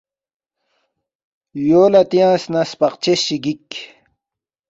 یو لہ تیانگس نہ سپقچس چی گِک